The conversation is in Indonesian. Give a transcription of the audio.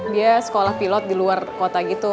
dia sekolah pilot di luar kota gitu